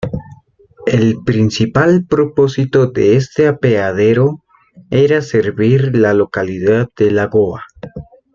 El principal propósito de este apeadero era servir la localidad de Lagoa.